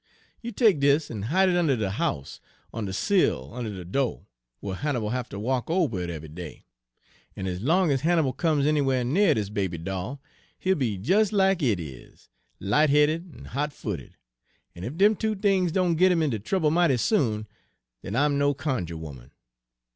You take dis en hide it unner de house, on de sill unner de do', whar Hannibal'll hafter walk ober it eve'y day. En ez long ez Hannibal comes anywhar nigh dis baby doll, he'll be des lack it is, light headed en hot footed; en ef dem two things doan git 'im inter trouble mighty soon, den I'm no cunjuh 'oman.